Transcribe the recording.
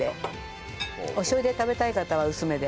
おしょう油で食べたい方は薄めで。